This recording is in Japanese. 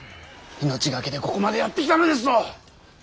命懸けでここまでやってきたのですぞ！